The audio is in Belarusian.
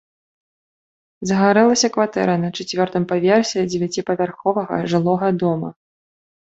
Загарэлася кватэра на чацвёртым паверсе дзевяціпавярховага жылога дома.